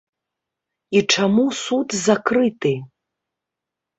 І чаму суд закрыты?